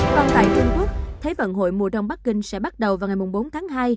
còn tại trung quốc thế vận hội mùa đông bắc kinh sẽ bắt đầu vào ngày bốn tháng hai